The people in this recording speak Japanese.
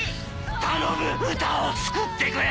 「頼むウタを救ってくれ！」